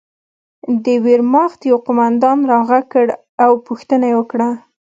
د ویرماخت یوه قومندان را غږ کړ او پوښتنه یې وکړه